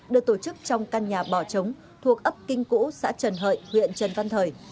được tổ chức trong căn nhà bò trống thuộc ấp kinh cũ xã trần hợi huyện trần văn thời